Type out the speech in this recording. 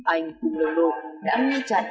anh cùng đồng độc đã ngăn chặn